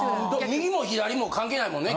右も左も関係ないもんね。